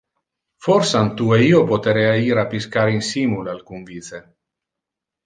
Forsan tu e io poterea ir a piscar insimul alcun vice.